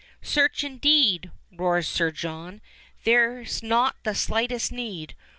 "Search, indeed!" roars Sir John. "There's not the slightest need!